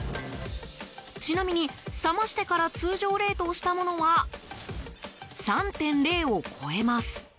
ちなみに、冷ましてから通常冷凍したものは３．０を超えます。